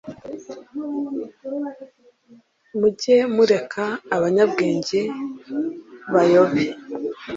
mujye mureka abanyabwenge bayobe